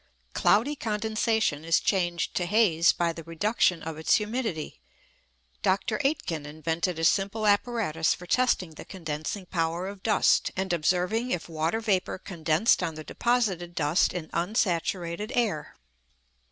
Cloudy condensation is changed to haze by the reduction of its humidity. Dr. Aitken invented a simple apparatus for testing the condensing power of dust, and observing if water vapour condensed on the deposited dust in unsaturated air.